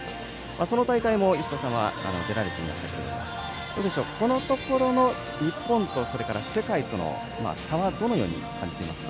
その大会も吉田さんは出られていましたけれどもこのところの日本と世界との差はどのように感じていますか。